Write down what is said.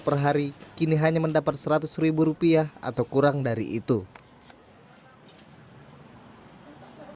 perhari kini hanya mendapat seratus rupiah atau kurang dari itu hai hai hai hai hai hai hai